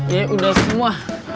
ya udah semua